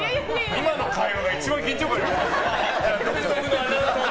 今の会話が一番緊張感あったよね。